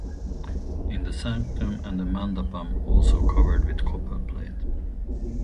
In the sanctum and the mandapam also covered with copper plate.